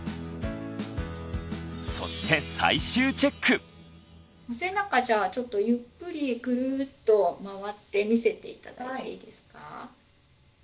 そしてお背中じゃあちょっとゆっくりグルッと回って見せて頂いていいですか。